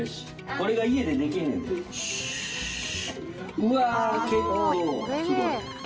うわー結構すごい！